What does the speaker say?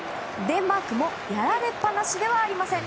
デンマークもやられっぱなしではありません。